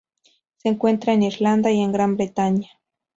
Se encuentra en Irlanda y en Gran Bretaña.